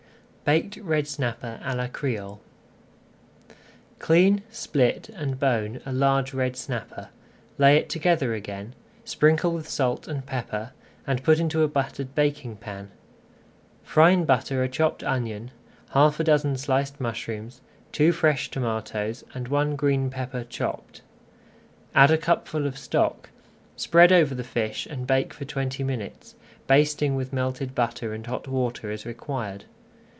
BAKED RED SNAPPER À LA CRÉOLE Clean, split, and bone a large red snapper, lay it together again, sprinkle with salt and pepper, and put into a buttered baking pan. Fry in butter a chopped onion, half a dozen sliced mushrooms, two fresh tomatoes, and one green pepper chopped. Add a cupful of stock, spread over the fish and bake for twenty minutes, basting with melted butter and hot water as required.